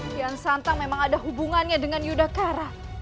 tiansantang memang ada hubungannya dengan yudhakarat